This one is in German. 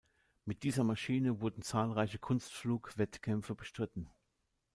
Mit dieser Maschine wurden zahlreiche Kunstflug-Wettkämpfe bestritten.